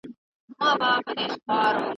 په جاپان کې شدید میل اکثر وریجې وي.